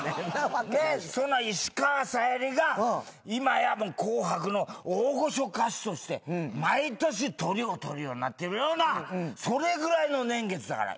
その石川さゆりが今や『紅白』の大御所歌手として毎年トリを取るようになっているようなそれぐらいの年月だから。